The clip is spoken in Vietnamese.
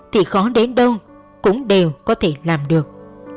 thì khó đến đâu cũng đều có thể làm được